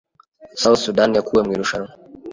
South Sudan yakuwe mu irushanwa.